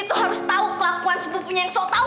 dia tuh harus tau kelakuan sepupunya yang so tau